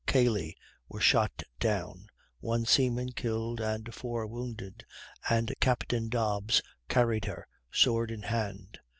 Cally were shot down, one seaman killed, and four wounded, and Captain Dobbs carried her, sword in hand.